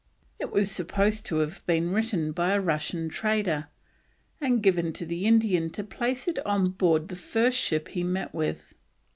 It was supposed to have been written by a Russian trader, and given to the Indian to place it on board the first ship he met with.